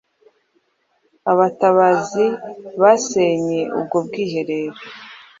Abatabazi basenye ubwo bwiherero